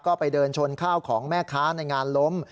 ก็ไปเดินชนข้าวของแม่ค้าในงานล้ม